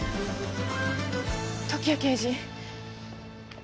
時矢刑事。